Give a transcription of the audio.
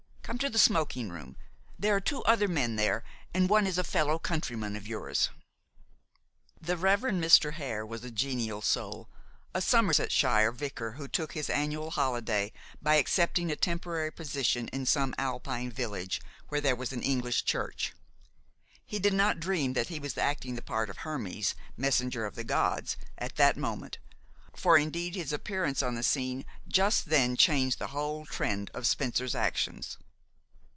Come to the smoking room. There are two other men there, and one is a fellow countryman of yours." The Rev. Mr. Hare was a genial soul, a Somersetshire vicar who took his annual holiday by accepting a temporary position in some Alpine village where there was an English church. He did not dream that he was acting the part of Hermes, messenger of the gods, at that moment, for indeed his appearance on the scene just then changed the whole trend of Spencer's actions.